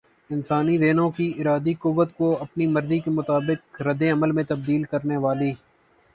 انسانی ذہنوں کی ارادی قوت کو اپنی مرضی کے مطابق ردعمل میں تبدیل کرنے والی